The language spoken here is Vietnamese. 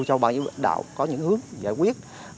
cho bao nhiêu đạo có những hướng giải quyết